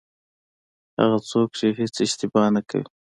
هغه څوک چې هېڅ اشتباه نه کوي.